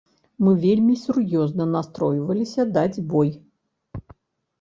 Мы вельмі сур'ёзна настройваліся даць бой.